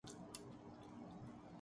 جلسے ان کے بھرپور ہوئے ہیں۔